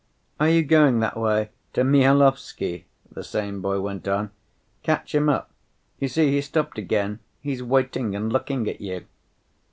"Are you going that way, to Mihailovsky?" the same boy went on. "Catch him up.... You see he's stopped again, he is waiting and looking at you."